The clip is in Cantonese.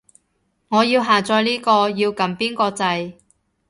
我要下載呢個，要撳邊個掣